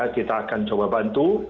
kita akan coba bantu